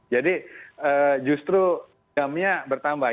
jadi justru jamnya bertambah